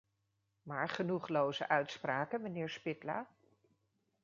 Maar genoeg loze uitspraken, mijnheer Špidla.